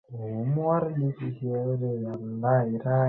তাকে সময় দে।